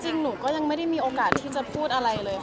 จริงหนูยังไม่มีโอกาสที่จะพูดอะไรเลยค่ะ